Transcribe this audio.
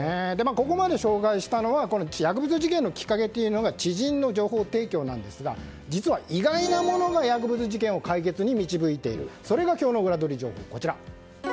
ここまで紹介したのは薬物事件のきっかけが知人の情報提供なんですが、実は意外なものが薬物事件を解決に導いているというのが今日のウラどりポイント。